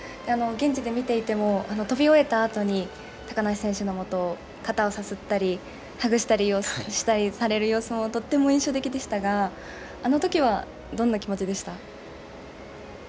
現地で見ていても、飛び終えたあとに、高梨選手のもとを、肩をさすったり、ハグしたりされる様子もとっても印象的でしたが、あのときはどんな気持ちでした？